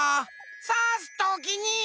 さすときに。